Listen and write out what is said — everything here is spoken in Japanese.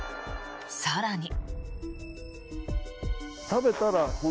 更に。